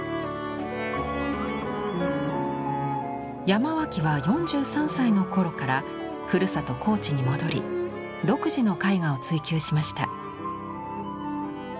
山脇は４３歳の頃からふるさと高知に戻り独自の絵画を追求しました。